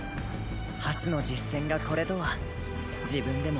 初の実戦がこれとは自分でも驚きだよ。